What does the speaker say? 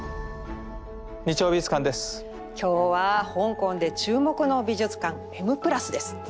今日は香港で注目の美術館「Ｍ＋」です。